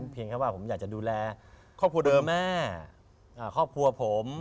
เพียงแค่ว่าผมอยากจะดูแลคุณแม่ครอบครัวผม